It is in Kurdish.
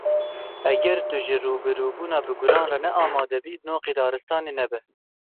Eger tu ji rûbirûbûna bi guran re ne amade bî, noqî daristanê nebe.